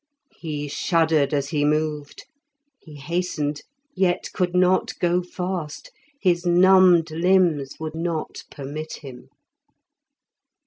He shuddered as he moved; he hastened, yet could not go fast, his numbed limbs would not permit him.